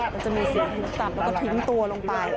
ก็จะมีเสียงทุ่มต่ำแล้วก็ทิ้งตัวลงไป